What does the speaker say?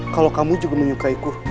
kalau kamu juga menyukaiku